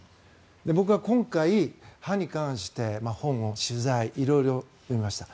僕は今回、歯に関して本も取材、色々読みました。